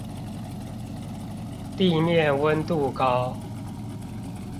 地面溫度高